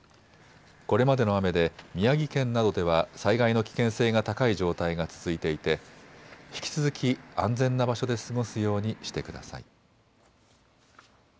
これまでの雨で宮城県などでは災害の危険性が高い状態が続いていて引き続き安全な場所で過ごすようにしてください。